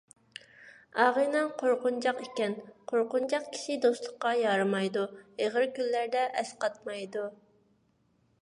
ئاغىنەڭ قورقۇنچاق ئىكەن، قورقۇنچاق كىشى دوستلۇققا يارىمايدۇ، ئېغىر كۈنلەردە ئەسقاتمايدۇ.